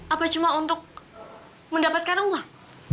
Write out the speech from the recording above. apa cuma untuk mendapatkan uang